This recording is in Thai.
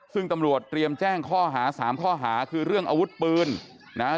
ซึ่งตำรวจเตรียมแจ้งข้อหาสามข้อหาคือเรื่องอาวุธปืนนะฮะ